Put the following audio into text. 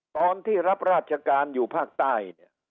ตอนที่รับราชการอยู่ภาคใต้เนี่ย